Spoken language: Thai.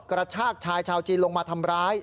กระชากชายชาวจีนลงมาทำร้าย